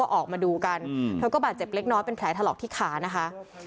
ออกมาดูกันเธอก็บาดเจ็บเล็กน้อยเป็นแผลถลอกที่ขานะคะ